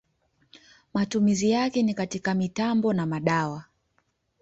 Matumizi yake ni katika mitambo na madawa.